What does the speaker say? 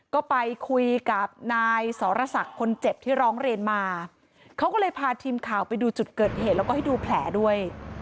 ก็ไปคุยกับนายสรศักดิ์คนเจ็บที่ร้องเรียนมาเขาก็เลยพาทีมข่าวไปดูจุดเกิดเหตุแล้วก็ให้ดูแผลด้วย